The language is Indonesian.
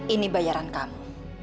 ini bayaran kamu